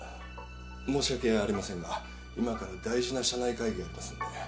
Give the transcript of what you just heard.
申し訳ありませんが今から大事な社内会議がありますんで。